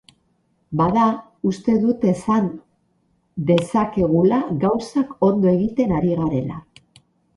Bada, uste dut esan dezakegula gauzak ondo egiten ari garela.